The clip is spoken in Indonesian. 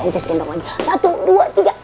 cus gendong aja satu dua tiga